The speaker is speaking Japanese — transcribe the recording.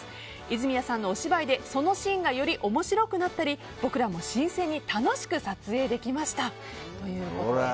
泉谷さんのお芝居でそのシーンがより面白くなったり僕らも新鮮に楽しく撮影できましたということです。